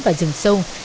vào rừng sâu